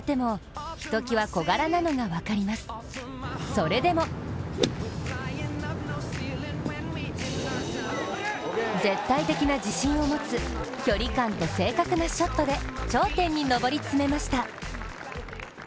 それでも絶対的な自信を持つ、距離感と正確なショットで頂点に上り詰めました。